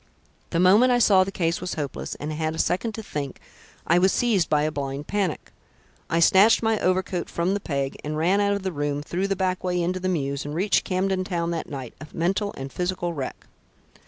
The moment I saw the case was hopeless, and had a second to think, I was seized with a blind panic. I snatched my overcoat from the peg and ran out of the room; through the back way into the mews, and reached Camden Town that night, a mental and physical wreck."